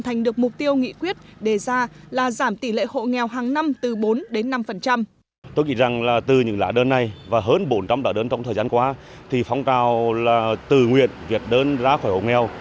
tôi nghĩ rằng là từ những lá đơn này và hơn bốn trăm linh lá đơn trong thời gian qua thì phong trào là từ nguyện viết đơn ra khỏi hộ nghèo